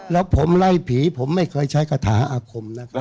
แล้วผมไล่ผีผมไม่เคยใช้คาถาอาคมนะครับ